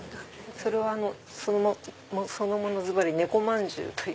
それはそのものずばり猫まんぢうといいます。